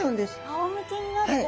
あおむけになって？